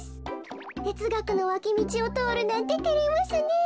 てつがくのわきみちをとおるなんててれますねえ。